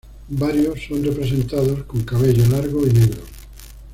Varios son representados con cabello largo y negro.